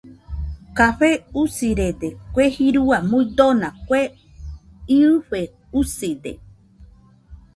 Café usirede kue jirua muidona kue iɨfe uside.